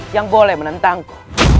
yang boleh menentangku